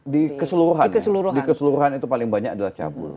di keseluruhan di keseluruhan itu paling banyak adalah cabul